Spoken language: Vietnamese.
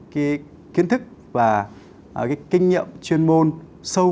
cái kiến thức và cái kinh nghiệm chuyên môn sâu